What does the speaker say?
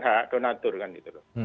hak donatur kan gitu